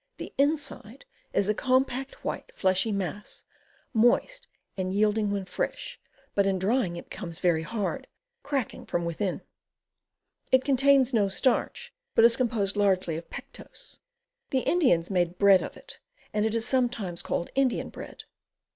The inside is a compact, white, fleshy mass, moist and yielding when fresh, but in drying it becomes very hard, cracking from within. It contains no starch, but is composed largely of pectose. The Indians made bread of it, and it is sometimes caUed Indian Bread.